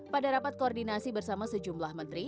pada rapat koordinasi bersama sejumlah menteri